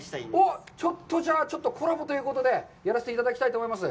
ちょっとじゃあ、コラボということでやらせていただきたいと思います。